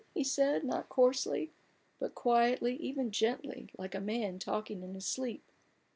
he said, not coarsely, but quietly, even gently, like a man talking in his sleep.